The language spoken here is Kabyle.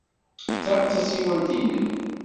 Ta d tasiwant-nnem?